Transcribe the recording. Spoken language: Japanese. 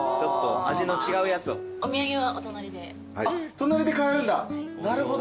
隣で買えるんだなるほど。